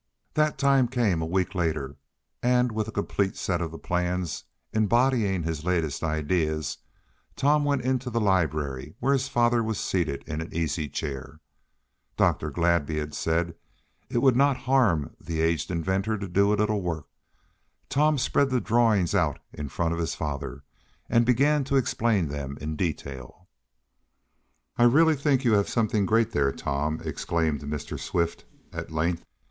That time came a week later, and with a complete set of the plans, embodying his latest ideas, Tom went into the library where his father was seated in an easy chair. Dr. Gladby had said it would not now harm the aged inventor to do a little work. Tom spread the drawings out in front of his father, and began to explain them in detail. "I really think you have something great there, Tom!" exclaimed Mr. Swift, at length.